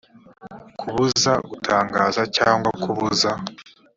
kubuza gutangaza cyangwa kubuza